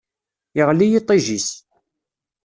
Iɣli yiṭij-is.